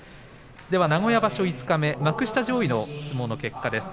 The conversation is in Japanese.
名古屋場所五日目幕下上位の相撲の結果です。